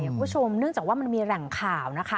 คุณผู้ชมเนื่องจากว่ามันมีแหล่งข่าวนะคะ